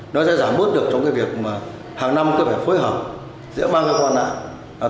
nó sẽ giảm bớt được trong việc hàng năm có thể phối hợp giữa ba cơ quan lại